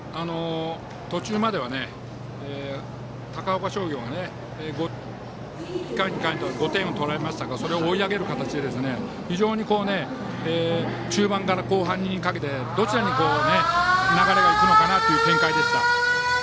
途中までは高岡商業が１回、２回と５点を取られましたがそれを追い上げる形で非常に中盤から後半にかけてどちらに流れが行くのかなという展開でした。